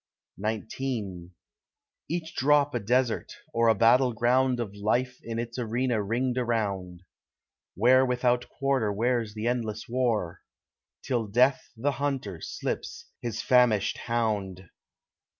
XIX Each drop a desert, or a battle ground Of life in its arena ringed around, Where without quarter wears the endless war, Till Death the hunter slips his famished hound.